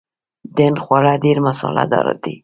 د هند خواړه ډیر مساله دار دي.